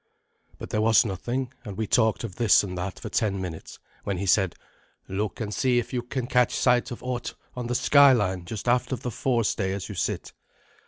But there was nothing, and we talked of this and that for ten minutes, when he said, "Look and see if you can catch sight of aught on the skyline just aft of the fore stay as you sit."